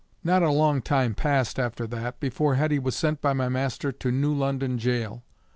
Not a long time passed after that, before Heddy was sent by my master to New London gaol.